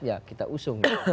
ya kita usung